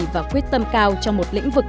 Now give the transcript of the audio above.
và quyết tâm cao cho một lĩnh vực